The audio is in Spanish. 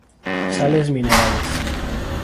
Sales minerales.